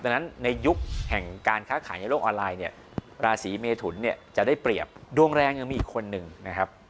ดังนั้นในยุคแห่งการค้าขายในโลกออนไลน์เนี่ยราศีเมทุนเนี่ยจะได้เปรียบดวงแรงยังมีอีกคนนึงนะครับ